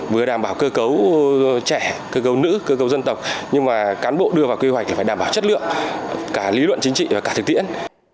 vừa đảm bảo cơ cấu trẻ cơ cấu nữ cơ cấu dân tộc nhưng mà cán bộ đưa vào quy hoạch là phải đảm bảo chất lượng cả lý luận chính trị và cả thực tiễn